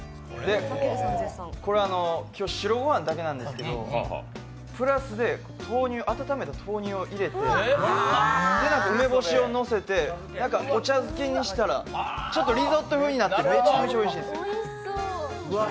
今日白ご飯だけなんですけどプラスで温めた豆乳を入れて、梅干しをのせてお茶漬けにしたらちょっとリゾット風になってめちゃめちゃおいしいんです。